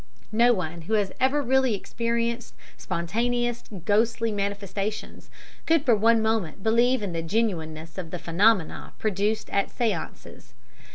No one, who has ever really experienced spontaneous ghostly manifestations, could for one moment believe in the genuineness of the phenomena produced at séances.